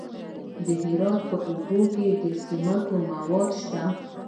د هرات په اوبې کې د سمنټو مواد شته.